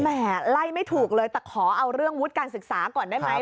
ไล่ไม่ถูกเลยแต่ขอเอาเรื่องวุฒิการศึกษาก่อนได้ไหม